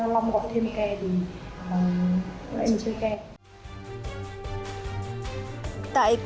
lông gọn thêm ke thì em chơi ke